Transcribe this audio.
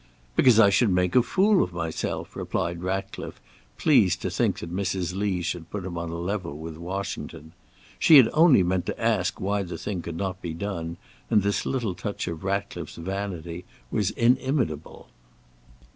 "Because I should make a fool of myself;" replied Ratcliffe, pleased to think that Mrs. Lee should put him on a level with Washington. She had only meant to ask why the thing could not be done, and this little touch of Ratcliffe's vanity was inimitable.